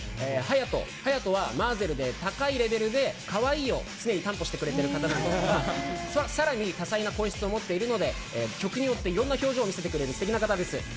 ＨＡＹＡＴＯは高いレベルでかわいいを常に担保してくれている方なんですがさらに多彩な声質を持っているので曲によっていろいろな表情を見せてくれます。